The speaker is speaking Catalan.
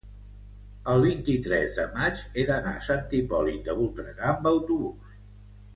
el vint-i-tres de maig he d'anar a Sant Hipòlit de Voltregà amb autobús.